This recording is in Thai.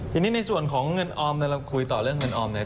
ทีนี้ในส่วนของเงินออมเนี่ยเราคุยต่อเรื่องเงินออมเนี่ย